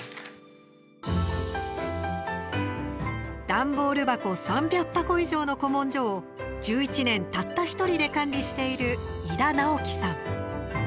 段ボール箱３００箱以上の古文書を１１年たった１人で管理している伊田直起さん。